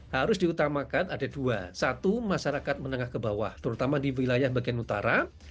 harus diutamakan ada dua satu masyarakat menengah ke bawah terutama di wilayah bagian utara